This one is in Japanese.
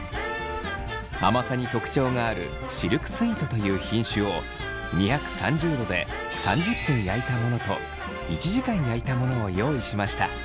甘さに特徴があるシルクスイートという品種を２３０度で３０分焼いたものと１時間焼いたものを用意しました。